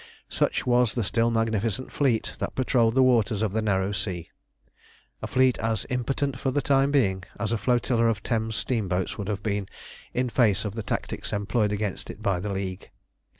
Such was the still magnificent fleet that patrolled the waters of the narrow sea, a fleet as impotent for the time being as a flotilla of Thames steamboats would have been in face of the tactics employed against it by the League.